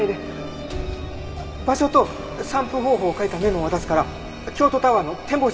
場所と散布方法を書いたメモを渡すから京都タワーの展望室に来て。